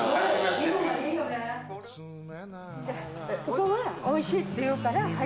ここはおいしいっていうから入ったの。